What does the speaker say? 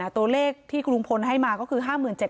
ตัวเลขที่ลุงพลให้มาก็คือ๕๗๐๐